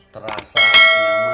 kalau sudah ngumpul begini semuanya